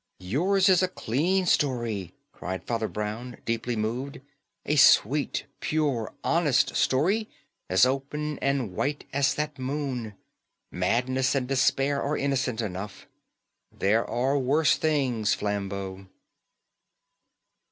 "Yours is a clean story," cried Father Brown, deeply moved. "A sweet, pure, honest story, as open and white as that moon. Madness and despair are innocent enough. There are worse things, Flambeau."